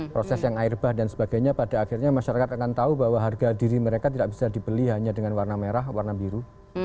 proses yang air bah dan sebagainya pada akhirnya masyarakat akan tahu bahwa harga diri mereka tidak bisa dibeli hanya dengan warna merah warna biru